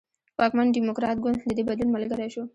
واکمن ډیموکراټ ګوند د دې بدلون ملګری شو.